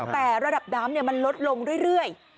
แต่ระดับน้ำมันลดลงเรื่อย